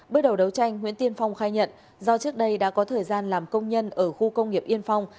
bước đầu đấu tranh nguyễn tiên phong khai nhận do trước đây đã có thời gian làm công nhân ở khu công nghiệp yên phong